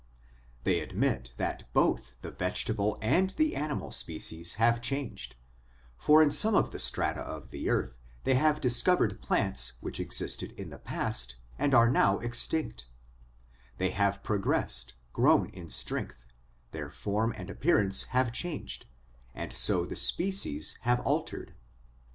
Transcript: They admit that both the vegetable and the animal species have changed, for in some of the strata of the earth they have discovered plants which existed in the past and are now extinct ; they have progressed, grown in strength, their form and appearance have POWERS AND CONDITIONS OF MAN 223 changed, and so the species have altered.